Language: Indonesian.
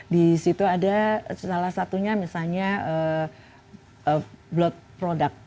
di situ ada salah satunya misalnya blood product